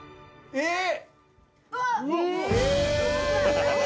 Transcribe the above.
えっ！？